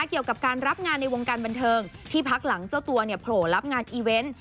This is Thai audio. เกี่ยวกับการรับงานในวงการบันเทิงที่พักหลังเจ้าตัวเนี่ยโผล่รับงานอีเวนต์